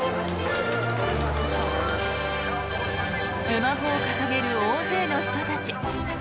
スマホを掲げる大勢の人たち。